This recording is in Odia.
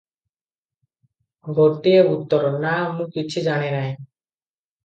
ଗୋଟିଏ ଉତ୍ତର, "ନା, ମୁଁ କିଛି ଜାଣେ ନାହିଁ ।"